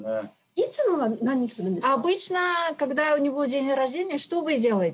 いつもは何するんですか？